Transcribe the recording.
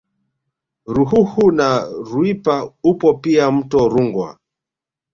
Ruhuhu na Ruipa upo pia mto Rungwa